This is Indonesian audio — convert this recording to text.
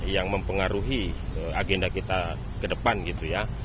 yang mempengaruhi agenda kita ke depan gitu ya